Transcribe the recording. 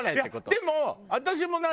でも私も何？